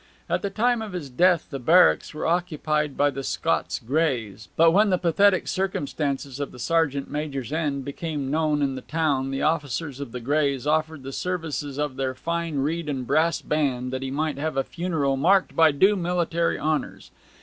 At the time of his death the barracks were occupied by the Scots Greys, but when the pathetic circumstances of the sergeant major's end became known in the town the officers of the Greys offered the services of their fine reed and brass band, that he might have a funeral marked by due military honours.